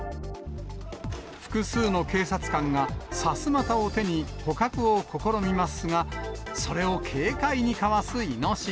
複数の警察官が、さすまたを手に、捕獲を試みますが、それを軽快にかわすイノシシ。